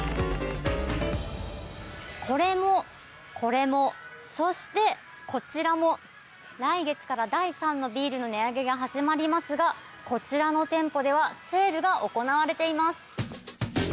これも、これもそして、こちらも来月から第３のビールの値上げが始まりますがこちらの店舗ではセールが行われています。